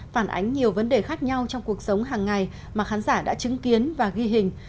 phản ánh nhiều vấn đề khác nhau trong cuộc sống hàng ngày mà khán giả đã chứng kiến và ghi hình